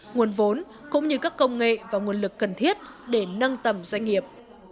nguồn vốn cũng như các công nghệ và nguồn lực cần thiết để nâng tầm doanh nghiệp